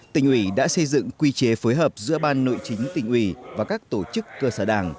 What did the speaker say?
tỉnh ủy đã xây dựng quy chế phối hợp giữa ban nội chính tỉnh ủy và các tổ chức cơ sở đảng